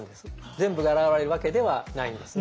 全部が現れるわけではないんですね。